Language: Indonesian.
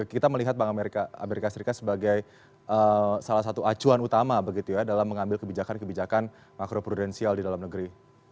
kita melihat bank amerika serikat sebagai salah satu acuan utama begitu ya dalam mengambil kebijakan kebijakan makro prudensial di dalam negeri